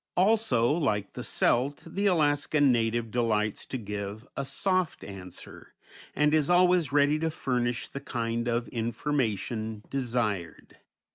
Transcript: Also, like the Celt, the Alaskan native delights to give a "soft answer," and is always ready to furnish the kind of information desired.